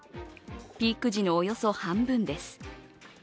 ピーク時のおよそ半分です。